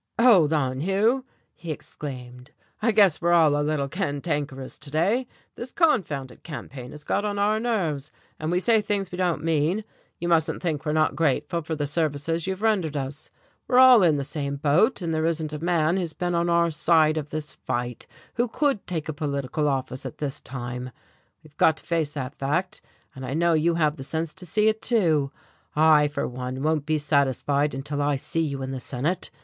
"Hold on, Hugh," he exclaimed, "I guess we're all a little cantankerous today. This confounded campaign has got on our nerves, and we say things we don't mean. You mustn't think we're not grateful for the services you've rendered us. We're all in the same boat, and there isn't a man who's been on our side of this fight who could take a political office at this time. We've got to face that fact, and I know you have the sense to see it, too. I, for one, won't be satisfied until I see you in the Senate.